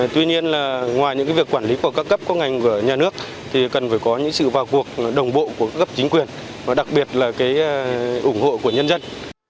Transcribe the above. tuy nhiên là ngoài những việc quản lý của các cấp các ngành của nhà nước thì cần phải có những sự vào cuộc đồng bộ của cấp chính quyền và đặc biệt là ủng hộ của nhân dân